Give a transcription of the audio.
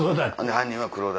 犯人は黒田。